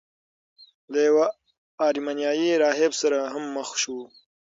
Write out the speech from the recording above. له یوه ارمینیايي راهب سره هم مخ شو.